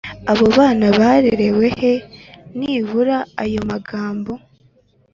«bano bana barerewe he » ntibura ; ayo magambo